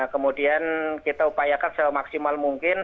kemudian kita upayakan sema maksimal mungkin